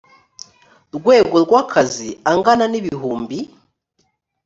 rwego rw akazi angana n ibihumbi